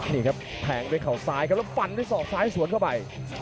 นี่ครับแทงด้วยเขาซ้ายครับแล้วฟันด้วยศอกซ้ายสวนเข้าไป